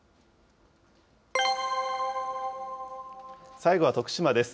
最後は徳島です。